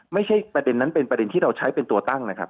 ไม่ใช่ประเด็นนั้นเป็นประเด็นที่เราใช้เป็นตัวตั้งนะครับ